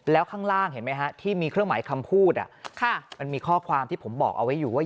แล้วข้างล่างเห็นไหมฮะที่มีเครื่องหมายคำพูดมันมีข้อความที่ผมบอกเอาไว้อยู่ว่า